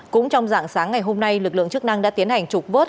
cũng trong dạng sáng ngày hôm nay lực lượng chức năng đã tiến hành trục vớt